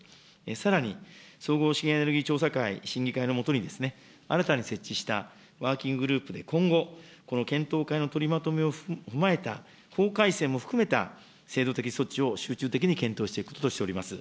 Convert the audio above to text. さらに、総合資源エネルギー調査会審議会のもとに、新たに設置したワーキンググループで今後、この検討会の取りまとめを踏まえた法改正も含めた制度的措置を集中的に検討していくこととしております。